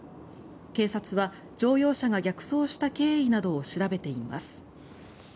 警察は、乗用車が逆走した経緯などを調べています。